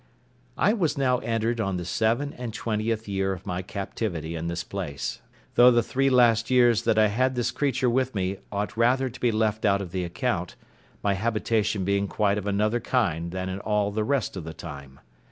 I was now entered on the seven and twentieth year of my captivity in this place; though the three last years that I had this creature with me ought rather to be left out of the account, my habitation being quite of another kind than in all the rest of the time.